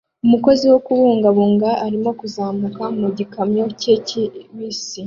Umukozi wo kubungabunga arimo kuzamuka mu gikamyo cye kibisi